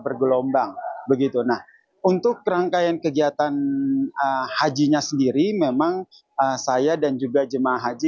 bergelombang begitu nah untuk rangkaian kegiatan hajinya sendiri memang saya dan juga jemaah haji